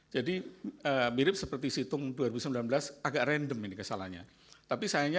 jadi mirip seperti situng dua ribu sembilan belas agak random ini kesalahannya